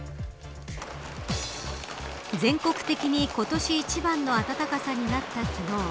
全国的に今年一番の暖かさになった昨日。